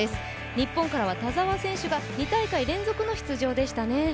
日本からは田澤選手が２大会連続の出場でしたね。